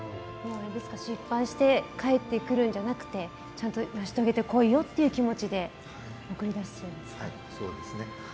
失敗して帰ってくるんじゃなくてちゃんと成し遂げてこいよという気持ちで送り出すんですか。